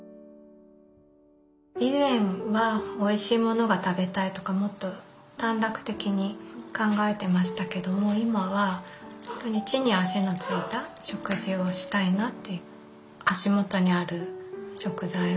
以前はおいしいものが食べたいとかもっと短絡的に考えてましたけども今はほんとに地に足のついた食事をしたいなって。